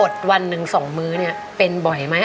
อดวันหนึ่ง๒มื้อเป็นบ่อยไหม